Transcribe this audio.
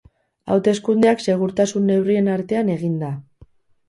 Hauteskundeak segurtasun neurrien artean egin da.